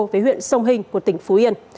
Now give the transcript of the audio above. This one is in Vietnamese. với huyện sông hình của tỉnh phú yên